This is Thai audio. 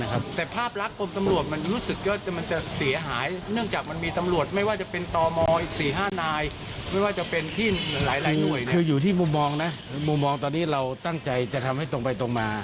คืออยู่ที่มุมมองนะมุมมองตอนนี้เราตั้งใจจะทำให้ตรงไปตรงมา